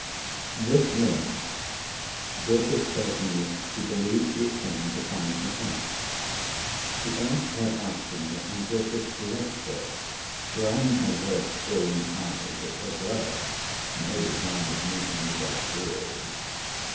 This moment Dorcas tells me she believes she is coming to find me out. She asked her after me: and Dorcas left her, drying her red swoln eyes at her glass; [no design of moving me by tears!